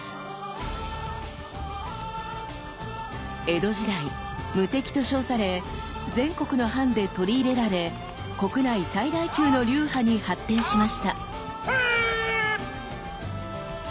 江戸時代無敵と称され全国の藩で取り入れられ国内最大級の流派に発展しました。